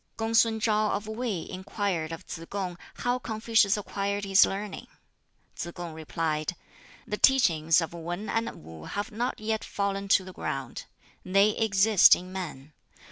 Kung sun Ch'an of Wei inquired of Tsz kung how Confucius acquired his learning. Tsz kung replied, "The teachings of Wan and Wu have not yet fallen to the ground. They exist in men.